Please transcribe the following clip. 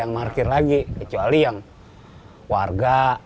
yang tidak memiliki garasi